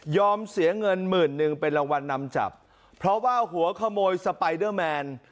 เสียเงินหมื่นหนึ่งเป็นรางวัลนำจับเพราะว่าหัวขโมยสไปเดอร์แมน